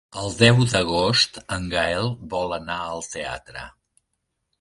El deu d'agost en Gaël vol anar al teatre.